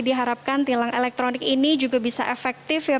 diharapkan tilang elektronik ini juga bisa efektif ya